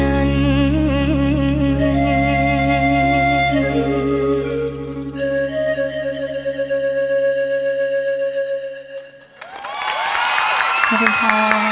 ตราบที่ทุกลมหายใจขึ้นหอดแต่ไอ้นั้น